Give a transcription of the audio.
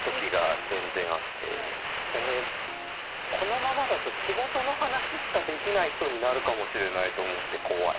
俺このままだと仕事の話しかできない人になるかもしれないと思って怖い。